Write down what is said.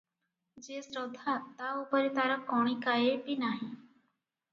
ଯେ ଶ୍ରଦ୍ଧା, ତା ଉପରେ ତାର କଣିକାଏ ବି ନାହିଁ ।